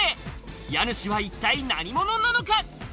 家主は一体何者なのか。